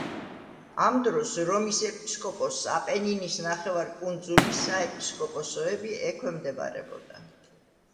ამ დროს რომის ეპისკოპოსს აპენინის ნახევარკუნძულის საეპისკოპოსოები ექვემდებარებოდა.